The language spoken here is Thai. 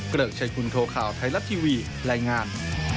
เกริ่งใช้คุณโทรข่าวไทยรัฐทีวีรายงาน